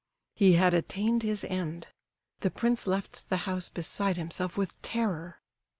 He had attained his end. The prince left the house beside himself with terror.